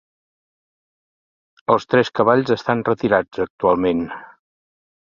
Els tres cavalls estan retirats actualment.